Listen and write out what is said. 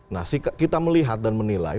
nah kita melihat dan menilai